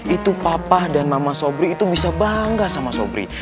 itu papa dan mama sobri itu bisa bangga sama sobri